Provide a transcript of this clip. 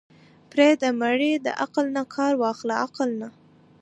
پرېده مړې د عقل نه کار واخله عقل نه.